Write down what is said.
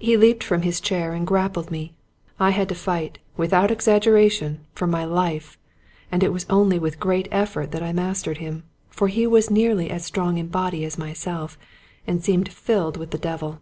He leaped from his chair and grappled me ; I had to fight, without exaggeration, for my life ; and it was only with a g^eat effort that I mastered him, for he was near as strong in body as myself, and seemed filled with the devil.